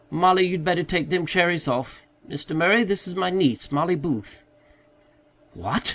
Mollie, you'd better take them cherries off. Mr. Murray, this is my niece, Mollie Booth." "What?"